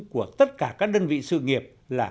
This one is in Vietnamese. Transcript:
của tất cả các đơn vị sự nghiệp là